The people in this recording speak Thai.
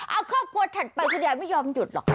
เอาครอบครัวถัดไปคุณยายไม่ยอมหยุดหรอก